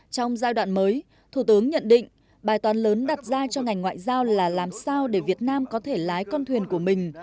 trong giai đoạn mới thủ tướng nhận định bài toán lớn đặt ra cho ngành ngoại giao là làm sao để việt nam có thể lái con thuyền của mình